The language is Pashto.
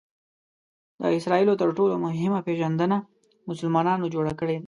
د اسراییلو تر ټولو مهمه پېژندنه مسلمانانو جوړه کړې ده.